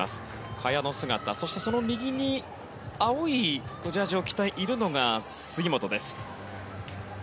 萱の姿そしてその右に青いジャージーを着ているのが杉本です。